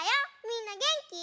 みんなげんき？